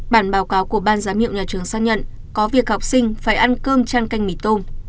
bản báo cáo của ban giám hiệu nhà trường xác nhận có việc học sinh phải ăn cơm chăn canh mì tôm